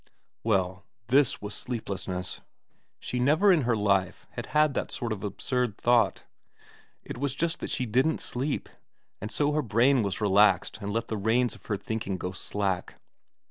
Well, this was sleeplessness. She never in her life had had that sort of absurd thought. It was just that she didn't sleep, and so her brain was relaxed and let the reins of her thinking go slack.